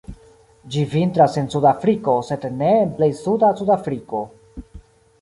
Ĝi vintras en Suda Afriko, sed ne en plej suda Sudafriko.